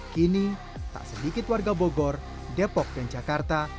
kini tak sedikit warga bogor depok dan jakarta